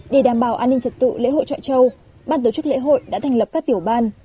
để đảm bảo an ninh trật tự lễ hội trọi châu ban tổ chức lễ hội đã thành lập các tiểu ban